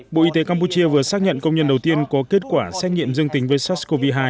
bộ y tế campuchia vừa xác nhận công nhân đầu tiên có kết quả xét nghiệm dương tính với sars cov hai